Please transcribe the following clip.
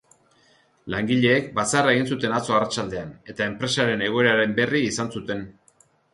Langileek batzarra egin zuten atzo arratsaldean eta enpresaren egoeraren berri izan zuten.